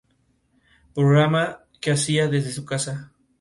Está formado por dos estructuras: los procesos ciliares y el músculo ciliar.